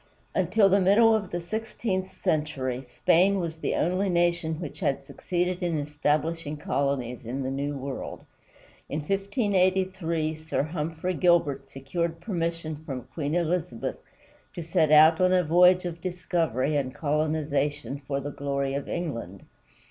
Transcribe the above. Until the middle of the sixteenth century, Spain was the only nation which had succeeded in establishing colonies in the New World. In 1583 Sir Humphrey Gilbert secured permission from Queen Elizabeth to set out on a voyage of discovery and colonization, for the glory of England.